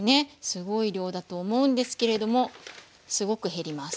すごい量だと思うんですけれどもすごく減ります。